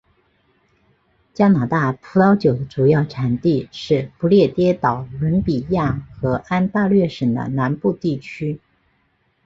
加拿大葡萄酒的主要产地是不列颠哥伦比亚和安大略省的南部地区。